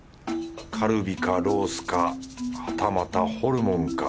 カルビかロースかはたまたホルモンか。